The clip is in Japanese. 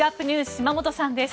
島本さんです。